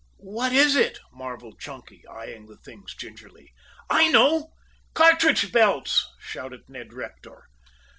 "What is it!" marveled Chunky, eyeing the things gingerly. "I know! Cartridge belts!" shouted Ned Rector.